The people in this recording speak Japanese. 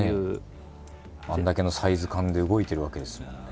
あれだけのサイズ感で動いてるわけですもんね。